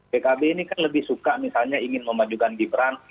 pkb ini kan lebih suka misalnya ingin memajukan gibran